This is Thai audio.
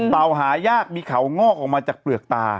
เต่าหายากมีเขางอกออกมาจากเปลือกตา